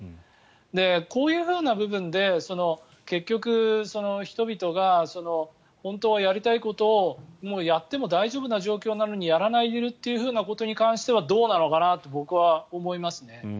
こういうふうな部分で結局、人々が本当はやりたいことをもうやっても大丈夫な状況なのにやれないでいるというのはどうなのかなと僕は思いますね。